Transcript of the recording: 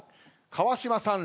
川島さん